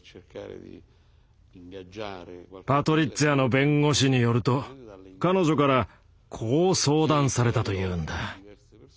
パトリッツィアの弁護士によると彼女からこう相談されたというんだ。